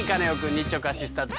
日直アシスタント